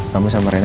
kamu sama rena